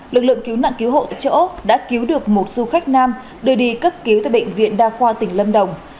lực lượng cứu nạn cứu hộ tại chỗ đã cứu được một du khách nam đưa đi cấp cứu tại bệnh viện đa khoa tỉnh lâm đồng